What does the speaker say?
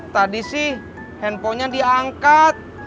tadi sih handphonenya diangkat